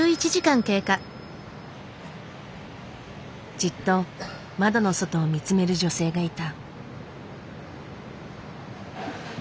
じっと窓の外を見つめる女性がいた。